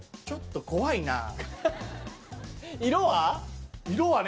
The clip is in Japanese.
ちょっと怖いな。